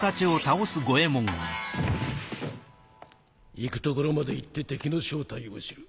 行くところまで行って敵の正体を知る。